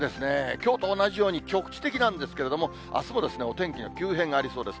きょうと同じように、局地的なんですけれども、あすもお天気の急変がありそうです。